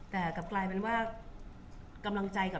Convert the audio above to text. บุ๋มประดาษดาก็มีคนมาให้กำลังใจเยอะ